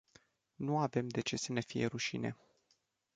Nu avem de ce să ne fie rușine.